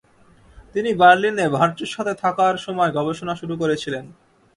তিনি বার্লিনে ভার্চোর সাথে থাকার সময় গবেষণা শুরু করেছিলেন।